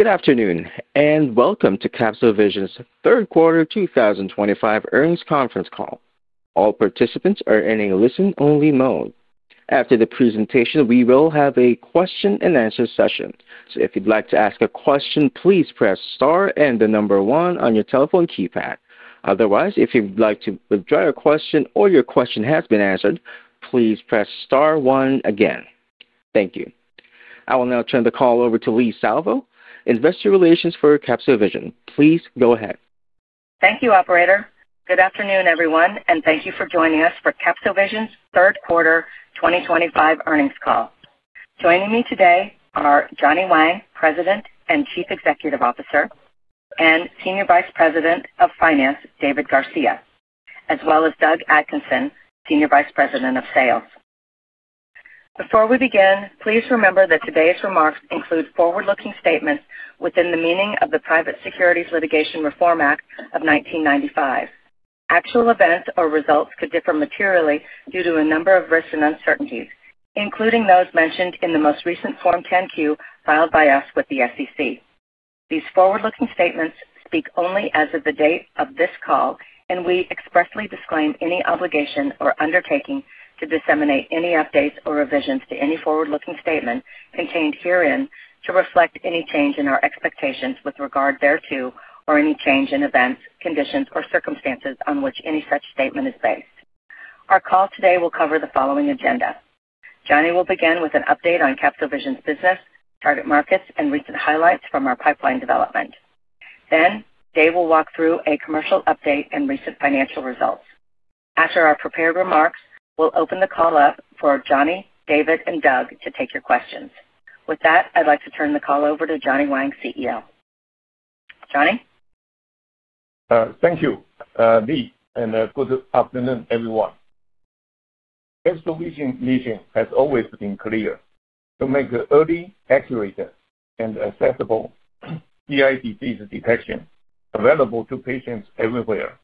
Good afternoon and welcome to CapsoVision's Third Quarter 2025 Earnings Conference Call. All participants are in a listen-only mode. After the presentation, we will have a question-and-answer session. If you'd like to ask a question, please press star and the number one on your telephone keypad. If you'd like to withdraw your question or your question has been answered, please press star one again. Thank you. I will now turn the call over to Leigh Salvo, Investor Relations for CapsoVision. Please go ahead. Thank you, Operator. Good afternoon, everyone, and thank you for joining us for CapsoVision's Third Quarter 2025 Earnings Call. Joining me today are Johnny Wang, President and Chief Executive Officer, and Senior Vice President of Finance, David Garcia, as well as Doug Atkinson, Senior Vice President of Sales. Before we begin, please remember that today's remarks include forward-looking statements within the meaning of the Private Securities Litigation Reform Act of 1995. Actual events or results could differ materially due to a number of risks and uncertainties, including those mentioned in the most recent Form 10-Q filed by us with the SEC. These forward-looking statements speak only as of the date of this call, and we expressly disclaim any obligation or undertaking to disseminate any updates or revisions to any forward-looking statement contained herein to reflect any change in our expectations with regard thereto or any change in events, conditions, or circumstances on which any such statement is based. Our call today will cover the following agenda. Johnny will begin with an update on CapsoVision's business, target markets, and recent highlights from our pipeline development. Then, Dave will walk through a commercial update and recent financial results. After our prepared remarks, we'll open the call up for Johnny, David, and Doug to take your questions. With that, I'd like to turn the call over to Johnny Wang, CEO. Johnny? Thank you, Leigh, and good afternoon, everyone. CapsoVision's mission has always been clear: to make early, accurate, and accessible cancer detection available to patients everywhere.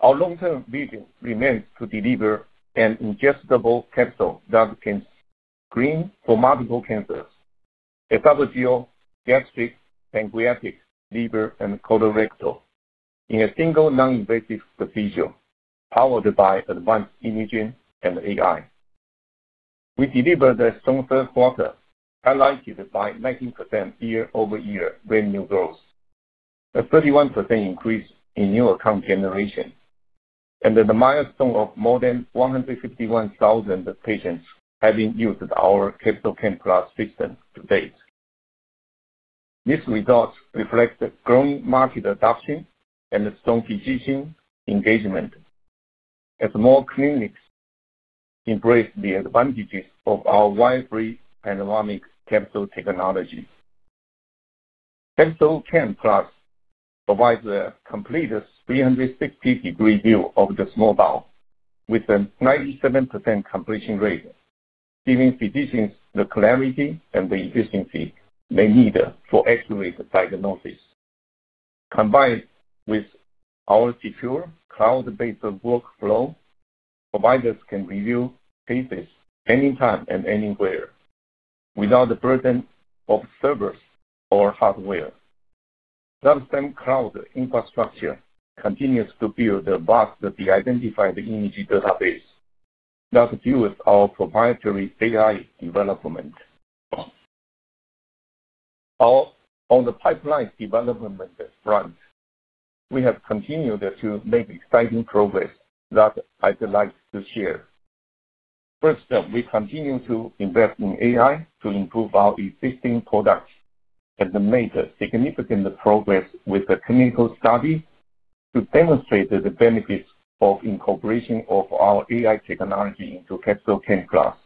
Our long-term vision remains to deliver an ingestible capsule that can screen for multiple cancers: esophageal, gastric, pancreatic, liver, and colorectal, in a single non-invasive procedure powered by advanced imaging and AI. We delivered a strong third quarter highlighted by 19% year-over-year revenue growth, a 31% increase in new account generation, and the milestone of more than 151,000 patients having used our CapsoCam Plus system to date. These results reflect growing market adoption and strong physician engagement, as more clinics embrace the advantages of our wide-field panoramic capsule technology. CapsoCam Plus provides a complete 360-degree view of the small bowel, with a 97% completion rate, giving physicians the clarity and the efficiency they need for accurate diagnosis. Combined with our secure cloud-based workflow, providers can review cases anytime and anywhere without the burden of servers or hardware. SubSTEM cloud infrastructure continues to build the vastly identified image database that fuels our proprietary AI development. On the pipeline development front, we have continued to make exciting progress that I'd like to share. First, we continue to invest in AI to improve our existing products and made significant progress with the clinical study to demonstrate the benefits of incorporation of our AI technology into CapsoCam Plus.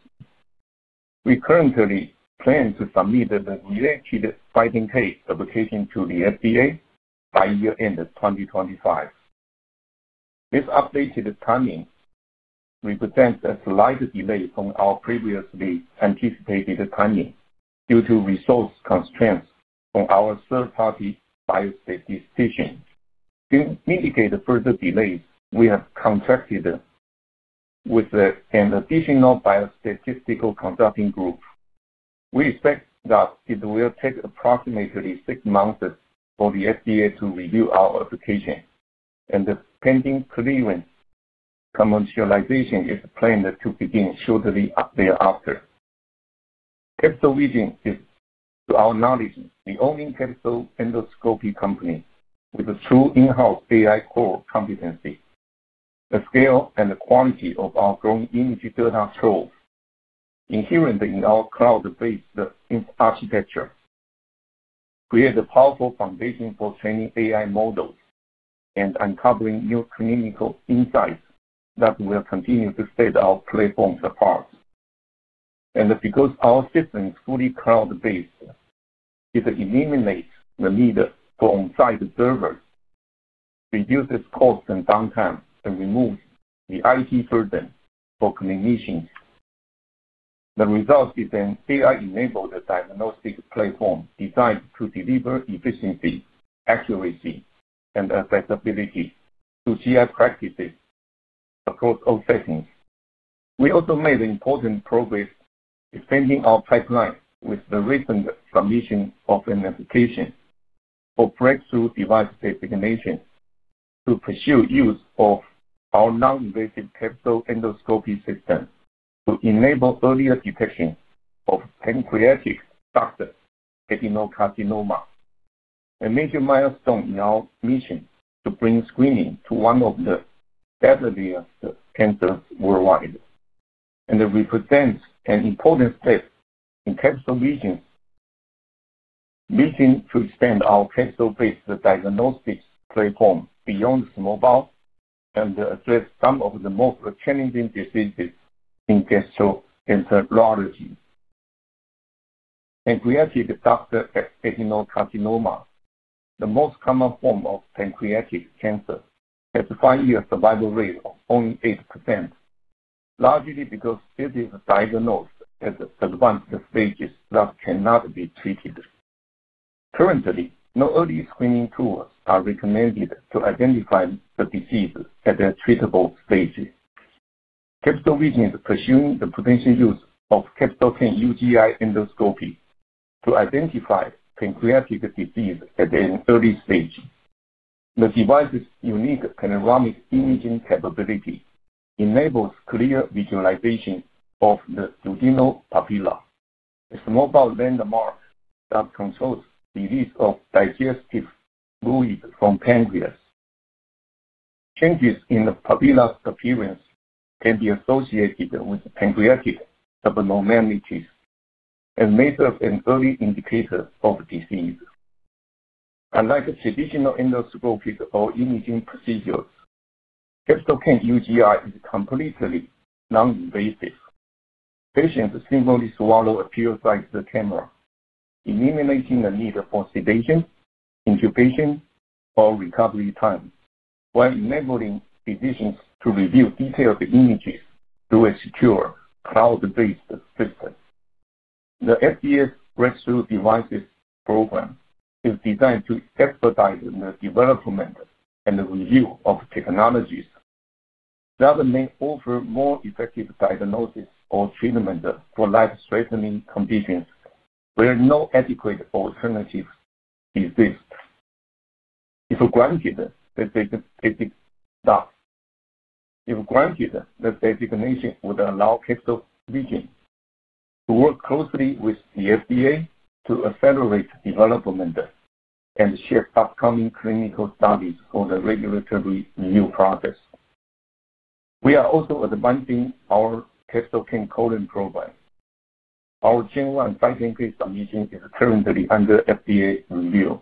We currently plan to submit the related fighting case application to the FDA by year-end 2025. This updated timing represents a slight delay from our previously anticipated timing due to resource constraints from our third-party biostatisticians. To mitigate further delays, we have contracted with an additional biostatistical consulting group. We expect that it will take approximately six months for the FDA to review our application, and the pending clearance commercialization is planned to begin shortly thereafter. CapsoVision is, to our knowledge, the only capsule endoscopy company with true in-house AI core competency. The scale and the quality of our growing image data flows, inherent in our cloud-based architecture, create a powerful foundation for training AI models and uncovering new clinical insights that will continue to set our platforms apart. Because our system is fully cloud-based, it eliminates the need for on-site servers, reduces cost and downtime, and removes the IT burden for clinicians. The result is an AI-enabled diagnostic platform designed to deliver efficiency, accuracy, and accessibility to GI practices across all settings. We also made important progress extending our pipeline with the recent submission of an application for Breakthrough Device Designation to pursue use of our non-invasive capsule endoscopy system to enable earlier detection of pancreatic ductal adenocarcinoma, a major milestone in our mission to bring screening to one of the deadliest cancers worldwide. It represents an important step in CapsoVision's mission to extend our capsule-based diagnostic platform beyond the small bowel and address some of the most challenging diseases in gastroenterology. Pancreatic ductal adenocarcinoma, the most common form of pancreatic cancer, has a five-year survival rate of only 8%, largely because it is diagnosed at advanced stages that cannot be treated. Currently, no early screening tools are recommended to identify the disease at a treatable stage. CapsoVision is pursuing the potential use of CapsoCam UGI endoscopy to identify pancreatic disease at an early stage. The device's unique panoramic imaging capability enables clear visualization of the duodenal papilla, a small bowel landmark that controls the release of digestive fluid from the pancreas. Changes in the papilla's appearance can be associated with pancreatic abnormalities and may serve as an early indicator of disease. Unlike traditional endoscopic or imaging procedures, CapsoCam UGI is completely non-invasive. Patients simply swallow a pill-sized camera, eliminating the need for sedation, intubation, or recovery time, while enabling physicians to review detailed images through a secure cloud-based system. The FDA's Breakthrough Devices Program is designed to expedite the development and review of technologies that may offer more effective diagnosis or treatment for life-threatening conditions where no adequate alternatives exist. If granted, that designation would allow CapsoVision to work closely with the FDA to accelerate development and share upcoming clinical studies for the regulatory review process. We are also advancing our CapsoCam Colon program. Our Gen-1 fighting-based imaging is currently under FDA review,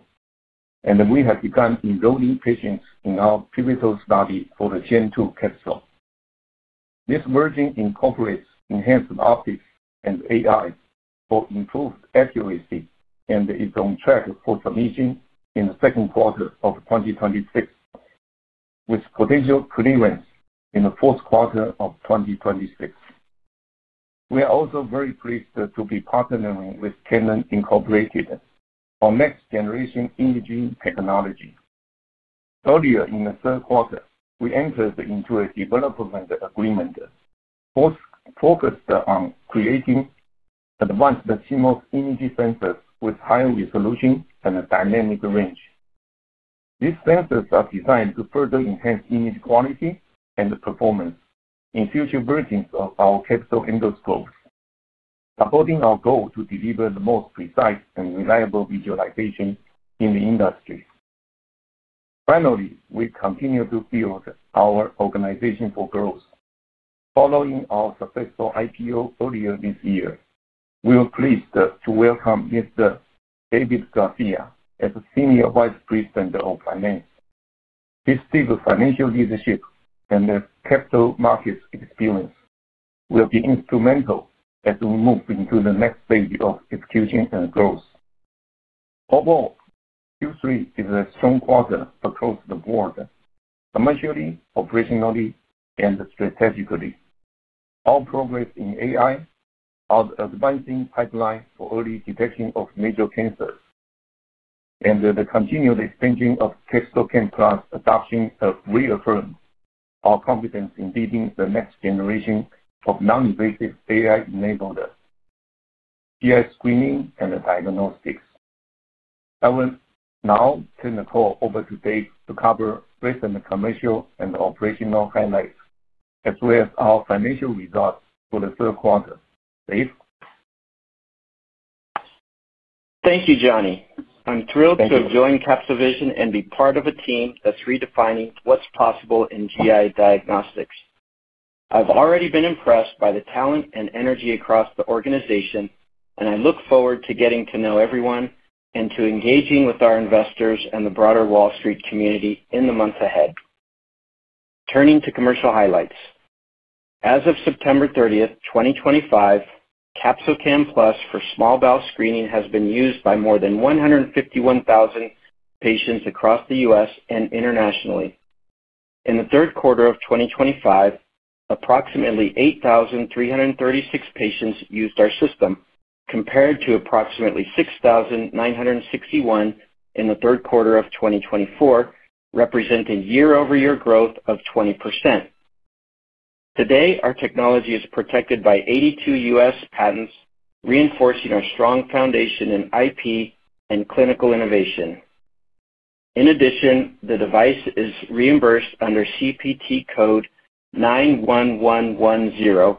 and we have begun enrolling patients in our pivotal study for the Gen-2 capsule. This version incorporates enhanced optics and AI for improved accuracy and is on track for submission in the second quarter of 2026, with potential clearance in the fourth quarter of 2026. We are also very pleased to be partnering with Canon Incorporated for next generation imaging technology. Earlier in the third quarter, we entered into a development agreement focused on creating advanced CMOS imaging sensors with high resolution and a dynamic range. These sensors are designed to further enhance image quality and performance in future versions of our capsule endoscopes, supporting our goal to deliver the most precise and reliable visualization in the industry. Finally, we continue to build our organization for growth. Following our successful IPO earlier this year, we are pleased to welcome Mr. David Garcia as Senior Vice President of Finance. His deep financial leadership and capsule market experience will be instrumental as we move into the next stage of execution and growth. Overall, Q3 is a strong quarter across the board, commercially, operationally, and strategically. Our progress in AI, our advancing pipeline for early detection of major cancers, and the continued expansion of CapsoCam Plus adoption have reaffirmed our competence in leading the next generation of non-invasive AI-enabled GI screening and diagnostics. I will now turn the call over to Dave to cover recent commercial and operational highlights, as well as our financial results for the third quarter. Dave? Thank you, Johnny. I'm thrilled to join CapsoVision and be part of a team that's redefining what's possible in GI diagnostics. I've already been impressed by the talent and energy across the organization, and I look forward to getting to know everyone and to engaging with our investors and the broader Wall Street community in the months ahead. Turning to commercial highlights. As of September 30th, 2025, CapsoCam Plus for small bowel screening has been used by more than 151,000 patients across the U.S. and internationally. In the third quarter of 2025, approximately 8,336 patients used our system, compared to approximately 6,961 in the third quarter of 2024, representing year-over-year growth of 20%. Today, our technology is protected by 82 U.S. patents, reinforcing our strong foundation in IP and clinical innovation. In addition, the device is reimbursed under CPT code 91110,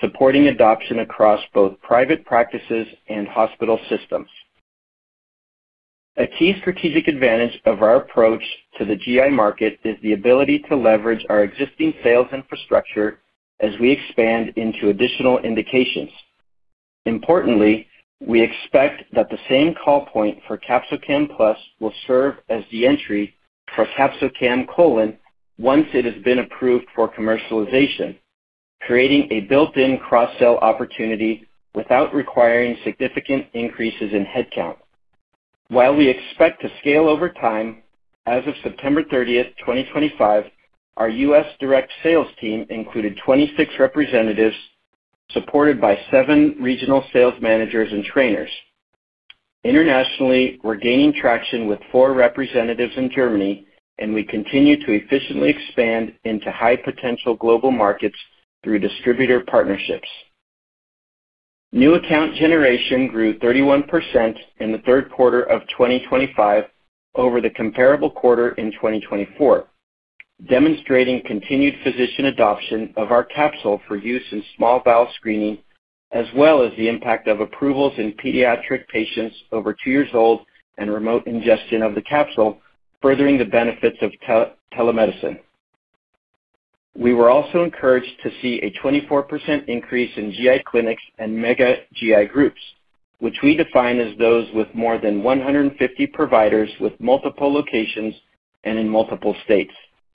supporting adoption across both private practices and hospital systems. A key strategic advantage of our approach to the GI market is the ability to leverage our existing sales infrastructure as we expand into additional indications. Importantly, we expect that the same call point for CapsoCam Plus will serve as the entry for CapsoCam Colon once it has been approved for commercialization, creating a built-in cross-sell opportunity without requiring significant increases in headcount. While we expect to scale over time, as of September 30, 2025, our U.S. direct sales team included 26 representatives supported by seven regional sales managers and trainers. Internationally, we're gaining traction with four representatives in Germany, and we continue to efficiently expand into high-potential global markets through distributor partnerships. New account generation grew 31% in the third quarter of 2025 over the comparable quarter in 2024, demonstrating continued physician adoption of our capsule for use in small bowel screening, as well as the impact of approvals in pediatric patients over two years old and remote ingestion of the capsule, furthering the benefits of telemedicine. We were also encouraged to see a 24% increase in GI clinics and mega GI groups, which we define as those with more than 150 providers with multiple locations and in multiple states,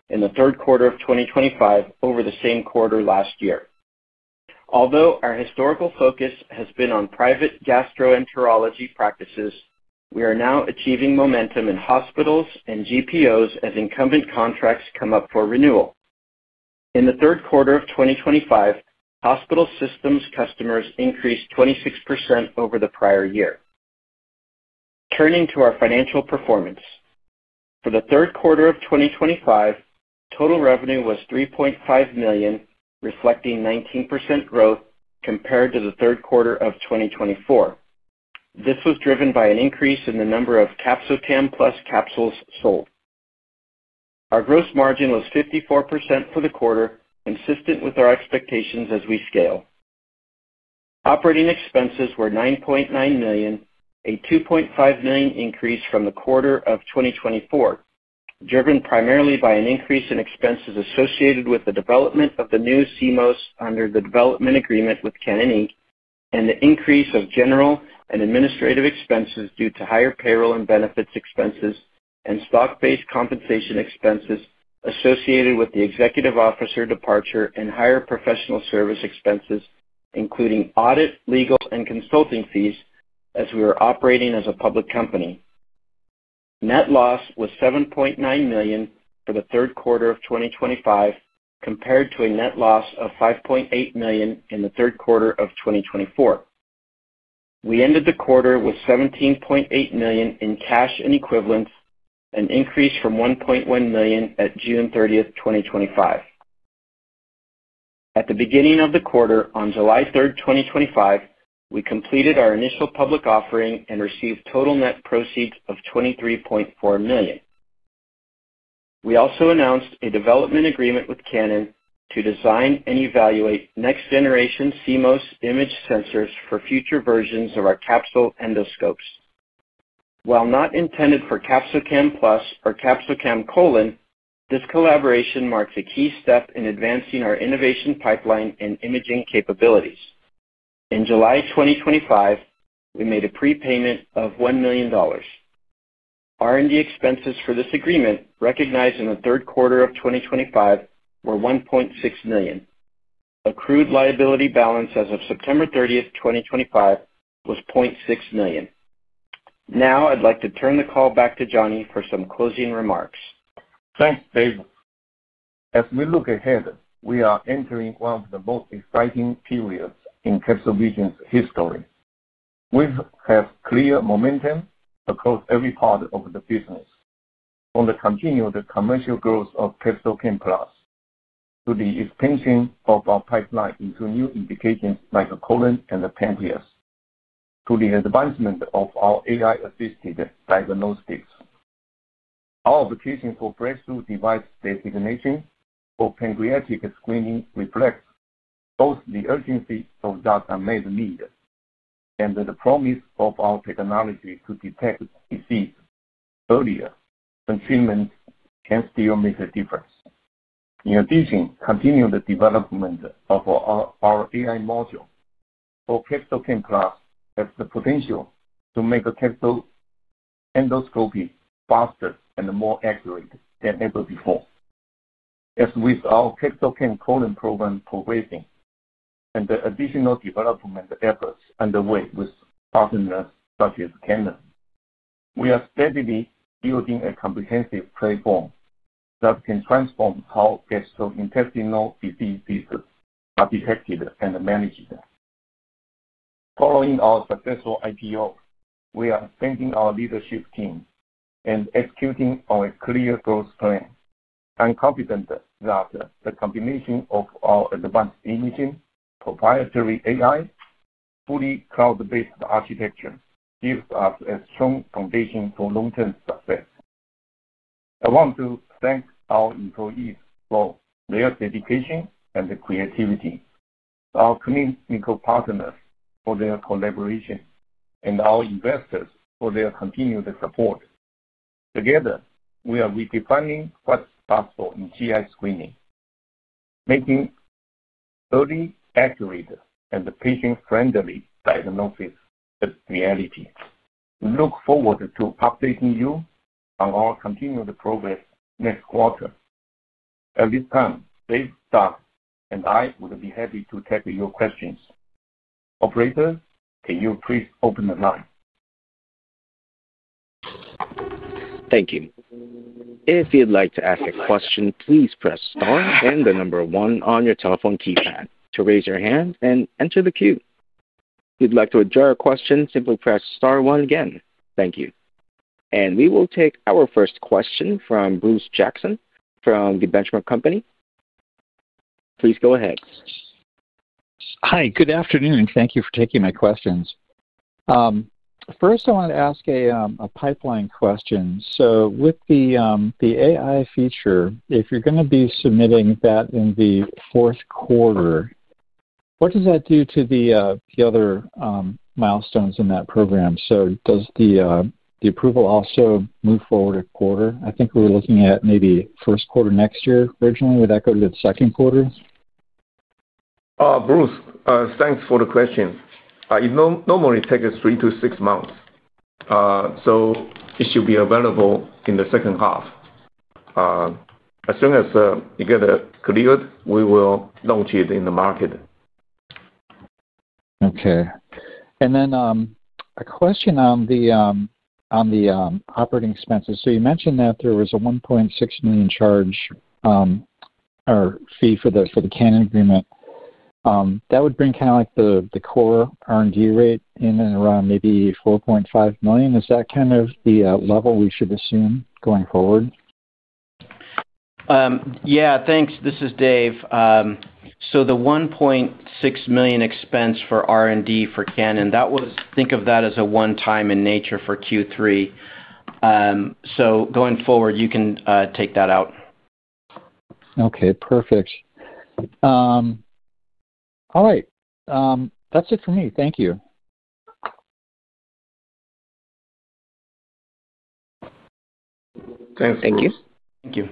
in the third quarter of 2025 over the same quarter last year. Although our historical focus has been on private gastroenterology practices, we are now achieving momentum in hospitals and GPOs as incumbent contracts come up for renewal. In the third quarter of 2025, hospital systems customers increased 26% over the prior year. Turning to our financial performance. For the third quarter of 2025, total revenue was $3.5 million, reflecting 19% growth compared to the third quarter of 2024. This was driven by an increase in the number of CapsoCam Plus capsules sold. Our gross margin was 54% for the quarter, consistent with our expectations as we scale. Operating expenses were $9.9 million, a $2.5 million increase from the quarter of 2024, driven primarily by an increase in expenses associated with the development of the new CMOS imaging sensors under the development agreement with Canon Inc, and the increase of general and administrative expenses due to higher payroll and benefits expenses and stock-based compensation expenses associated with the executive officer departure and higher professional service expenses, including audit, legal, and consulting fees as we were operating as a public company. Net loss was $7.9 million for the third quarter of 2025, compared to a net loss of $5.8 million in the third quarter of 2024. We ended the quarter with $17.8 million in cash and equivalents, an increase from $1.1 million at June 30, 2025. At the beginning of the quarter, on July 3th, 2025, we completed our initial public offering and received total net proceeds of $23.4 million. We also announced a development agreement with Canon to design and evaluate next generation CMOS imaging sensors for future versions of our capsule endoscopes. While not intended for CapsoCam Plus or CapsoCam Colon, this collaboration marks a key step in advancing our innovation pipeline and imaging capabilities. In July 2025, we made a prepayment of $1 million. R&D expenses for this agreement, recognized in the third quarter of 2025, were $1.6 million. Accrued liability balance as of September 30th, 2025, was $0.6 million. Now, I'd like to turn the call back to Johnny for some closing remarks. Thanks, David. As we look ahead, we are entering one of the most exciting periods in CapsoVision's history. We have clear momentum across every part of the business, from the continued commercial growth of CapsoCam Plus to the expansion of our pipeline into new indications like the colon and the pancreas, to the advancement of our AI-assisted diagnostics. Our application for Breakthrough Device Designation for pancreatic screening reflects both the urgency of that amazing need and the promise of our technology to detect disease earlier when treatment can still make a difference. In addition, continued development of our AI module for CapsoCam Plus has the potential to make capsule endoscopy faster and more accurate than ever before. As with our CapsoCam Colon program progressing and the additional development efforts underway with partners such as Canon, we are steadily building a comprehensive platform that can transform how gastrointestinal diseases are detected and managed. Following our successful IPO, we are strengthening our leadership team and executing our clear growth plan, and confident that the combination of our advanced imaging, proprietary AI, and fully cloud-based architecture gives us a strong foundation for long-term success. I want to thank our employees for their dedication and creativity, our clinical partners for their collaboration, and our investors for their continued support. Together, we are redefining what's possible in GI screening, making early, accurate, and patient-friendly diagnosis a reality. We look forward to updating you on our continued progress next quarter. At this time, Dave [Doug] and I would be happy to take your questions. Operator, can you please open the line? Thank you. If you'd like to ask a question, please press star and the number one on your telephone keypad to raise your hand and enter the queue. If you'd like to address a question, simply press star one again. Thank you. We will take our first question from Bruce Jackson from the Benchmark Company. Please go ahead. Hi, good afternoon. Thank you for taking my questions. First, I want to ask a pipeline question. With the AI feature, if you're going to be submitting that in the fourth quarter, what does that do to the other milestones in that program? Does the approval also move forward a quarter? I think we were looking at maybe first quarter next year. Originally, would that go to the second quarter? Bruce, thanks for the question. It normally takes three months-six months, so it should be available in the second half. As soon as you get it cleared, we will launch it in the market. Okay. And then a question on the operating expenses. You mentioned that there was a $1.6 million charge or fee for the Canon agreement. That would bring kind of like the core R&D rate in and around maybe $4.5 million. Is that kind of the level we should assume going forward? Yeah, thanks. This is Dave. So the $1.6 million expense for R&D for Canon, think of that as a one-time in nature for Q3. Going forward, you can take that out. Okay, perfect. All right. That's it for me. Thank you. Thanks. Thank you. Thank you.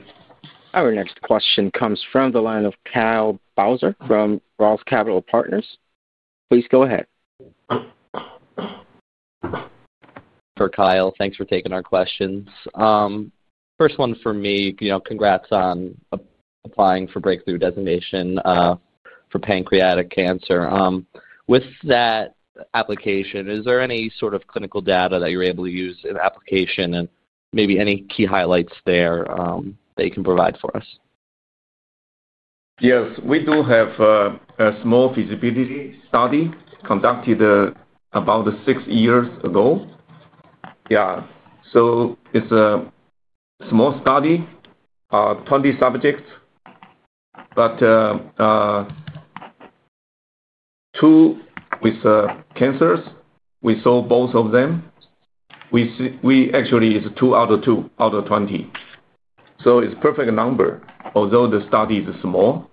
Our next question comes from the line of Kyle Bowser from Roth Capital Partners. Please go ahead. For Kyle, thanks for taking our questions. First one for me, congrats on applying for breakthrough designation for pancreatic cancer. With that application, is there any sort of clinical data that you're able to use in the application and maybe any key highlights there that you can provide for us? Yes, we do have a small feasibility study conducted about six years ago. Yeah, so it's a small study, 20 subjects, but two with cancers. We saw both of them. Actually, it's two out of two out of 20. So it's a perfect number, although the study is small.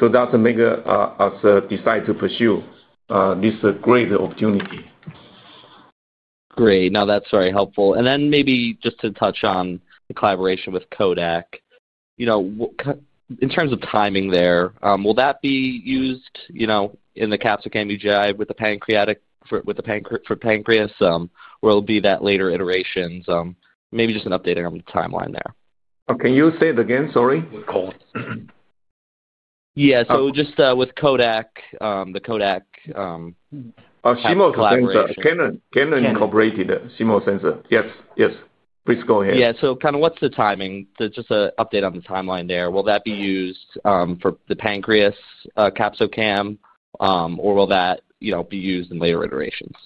That's a bigger decide to pursue this great opportunity. Great. No, that's very helpful. Maybe just to touch on the collaboration with Kodak. In terms of timing there, will that be used in the CapsoCam UGI with the pancreatic for pancreas, or will it be that later iterations? Maybe just an update on the timeline there. Can you say it again? Sorry. Yeah, so just with Kodak, the Kodak. Oh, CMOS sensor. Canon Incorporated CMOS sensor. Yes, yes. Please go ahead. Yeah, so kind of what's the timing? Just an update on the timeline there. Will that be used for the pancreas, CapsoCam, or will that be used in later iterations?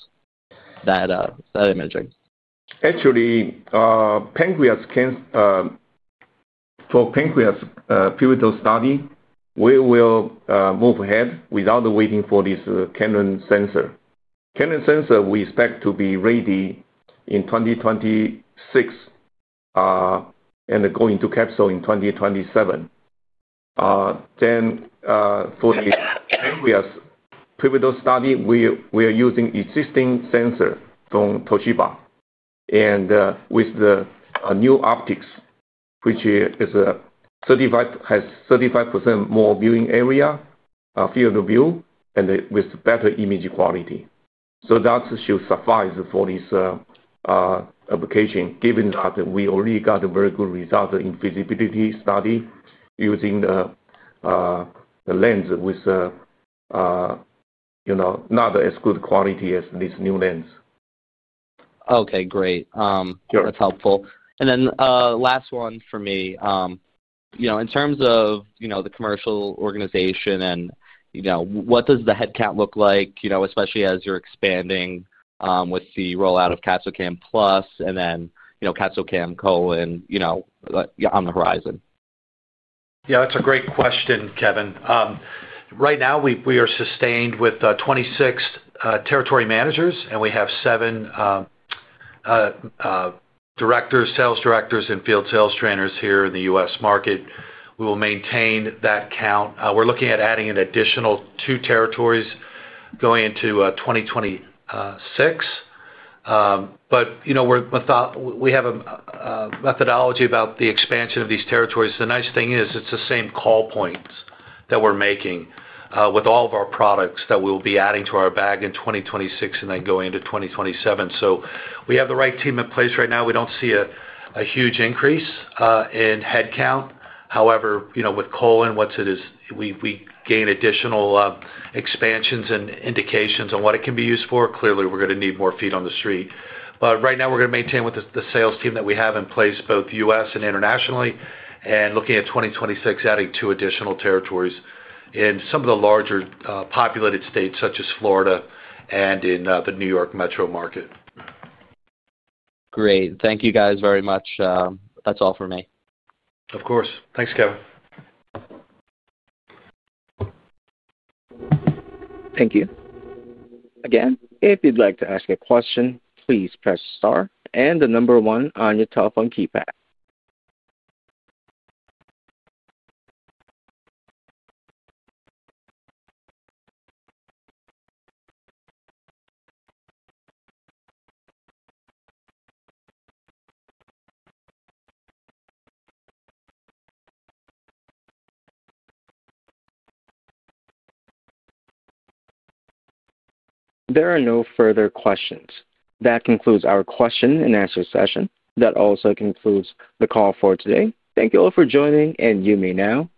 That imaging. Actually, pancreas for pancreas pivotal study, we will move ahead without waiting for this Canon sensor. Canon sensor we expect to be ready in 2026 and going to Capso in 2027. For the pancreas pivotal study, we are using existing sensor from Toshiba and with the new optics, which has 35% more viewing area, field of view, and with better image quality. That should suffice for this application, given that we already got a very good result in feasibility study using the lens with not as good quality as this new lens. Okay, great. That's helpful. And then last one for me. In terms of the commercial organization, what does the headcount look like, especially as you're expanding with the rollout of CapsoCam Plus and then CapsoCam Colon on the horizon? Yeah, that's a great question, Kevin. Right now, we are sustained with 26th territory managers, and we have seven directors, sales directors, and field sales trainers here in the U.S. market. We will maintain that count. We're looking at adding an additional two territories going into 2026. We have a methodology about the expansion of these territories. The nice thing is it's the same call points that we're making with all of our products that we will be adding to our bag in 2026 and then going into 2027. We have the right team in place right now. We don't see a huge increase in headcount. However, with Colon, once we gain additional expansions and indications on what it can be used for, clearly, we're going to need more feet on the street. Right now, we're going to maintain with the sales team that we have in place, both U.S. and internationally, and looking at 2026 adding two additional territories in some of the larger populated states such as Florida and in the New York metro market. Great. Thank you guys very much. That's all for me. Of course. Thanks, Kevin. Thank you. Again, if you'd like to ask a question, please press star and the number one on your telephone keypad. There are no further questions. That concludes our question and answer session. That also concludes the call for today. Thank you all for joining, and you may now.